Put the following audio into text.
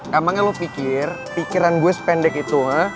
gampangnya lo pikir pikiran gue sependek itu